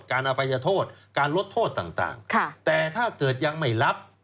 การอภัยโทษการลดโทษต่างต่างค่ะแต่ถ้าเกิดยังไม่รับ